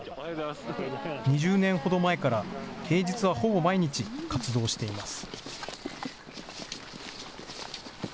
２０年ほど前から平日はほぼ毎日、活動しています。